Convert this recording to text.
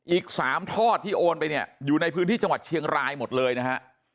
อีก๓ทอดที่โอนไปเนี่ยอยู่ในพื้นที่จังหวัดเชียงรายหมดเลยนะฮะ